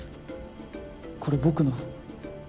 これ僕の。